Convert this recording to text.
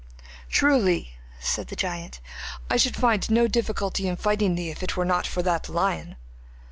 'Truly,' said the giant, 'I should find no difficulty in fighting thee, if it were not for that lion.